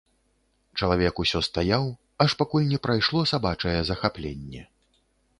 Чалавек усё стаяў, аж пакуль не прайшло сабачае захапленне.